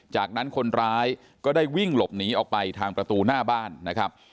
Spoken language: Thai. จากนั้นคนร้ายก็ได้วิ่งหลบหนีออกไปทางประตูหน้าบ้านนะครับ